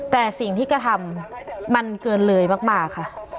แต่สิ่งที่กระทำมันเกินเลยมากค่ะ